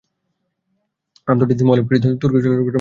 আন্তর্জাতিক মহলে পরিচিত তুর্কি চলচ্চিত্রগুলোর মধ্যে এটি অন্যতম।